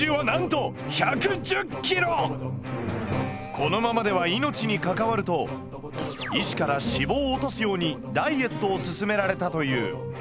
このままでは命に関わると医師から脂肪を落とすようにダイエットを勧められたという。